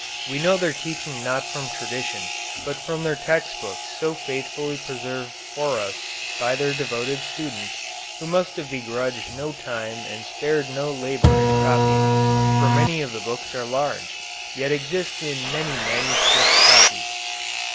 We know their teaching not from tradition, but from their text books so faithfully preserved for us by their devoted students, who must have begrudged no time and spared no labor in copying, for many of the books are large, yet exist in many manuscript copies.